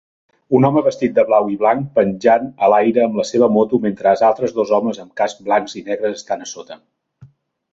Un home vestit de blau i blanc penjant a l'aire amb la seva moto mentre altres dos homes amb cascs blancs i negres estan a sota